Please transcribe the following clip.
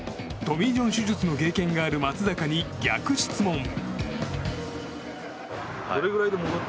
トミー・ジョン手術の経験がある松坂に逆質問。